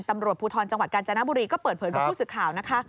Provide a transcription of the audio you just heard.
ตำรวจภูทรจังหวัดกาญจนบุรีก็เปิดเผยกับผู้สื่อข่าวนะคะ